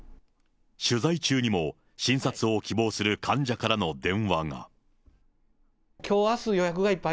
取材中にも診察を希望する患者からの電話が。